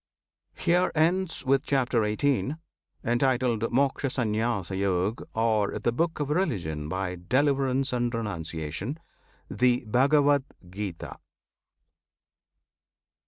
HERE ENDS, WITH CHAPTER XVIII., Entitled "Mokshasanyasayog," Or "The Book of Religion by Deliverance and Renunciation," THE BHAGAVAD GITA.